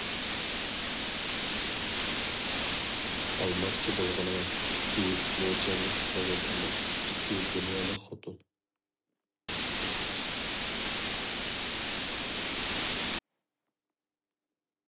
ئالماقچى بولغىنىڭىز ئىككى موچەنلىك سېغىز ئەمەس، ئىككى دۇنيالىق خوتۇن.